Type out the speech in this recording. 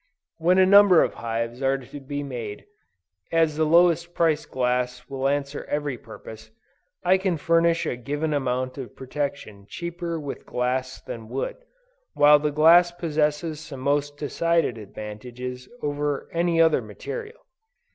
When a number of hives are to be made, as the lowest price glass will answer every purpose, I can furnish a given amount of protection cheaper with glass than wood, while the glass possesses some most decided advantages over any other material.